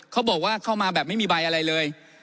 เขาบอกว่าเข้ามาแบบไม่มีใบอะไรเลย